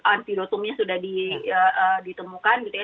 antidotumnya sudah ditemukan gitu ya